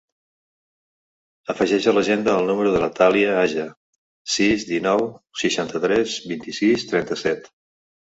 Afegeix a l'agenda el número de la Thàlia Aja: sis, dinou, seixanta-tres, vint-i-sis, trenta-set.